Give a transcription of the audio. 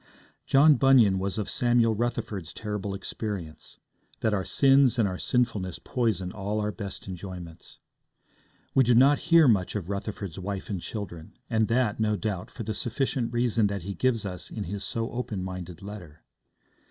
John Bunyan was of Samuel Rutherford's terrible experience, that our sins and our sinfulness poison all our best enjoyments. We do not hear much of Rutherford's wife and children, and that, no doubt, for the sufficient reason that he gives us in his so open minded letter.